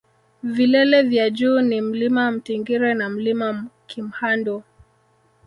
vilele vya juu ni mlima mtingire na mlima kimhandu